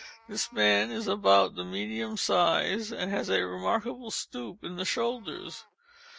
This man is about the medium size, and has a remarkable stoop in the shoulders.